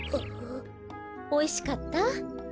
おいしかった？